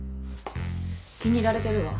気に入られてるわ。